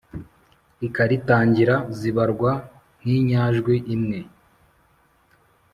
ikaritangira zibarwa nk’inyajwi imwe